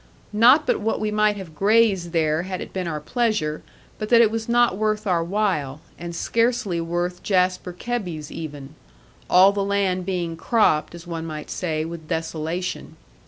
Not but what we might have grazed there had it been our pleasure, but that it was not worth our while, and scarcely worth Jasper Kebby's even; all the land being cropped (as one might say) with desolation.